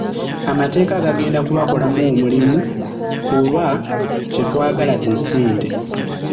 Amateeka gagenda kubakolako mu omulimu kuba kye twagala ze ssente.